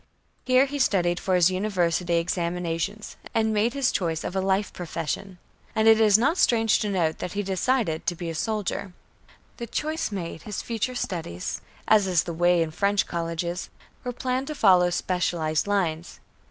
Here he studied for his university examinations, and made his choice of a life profession and it is not strange to note that he decided to be a soldier. The choice made, his future studies, as is the way in French colleges, were planned to follow specialized lines.